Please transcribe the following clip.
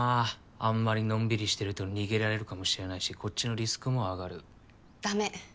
あんまりのんびりしてると逃げられるかもしれないしこっちのリスクも上がる。だめ。